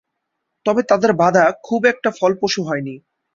তবে তাদের বাঁধা খুব একটা ফলপ্রসূ হয়নি।